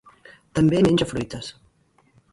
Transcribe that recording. També menja fruites.